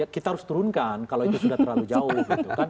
kita harus turunkan kalau itu sudah terlalu jauh gitu kan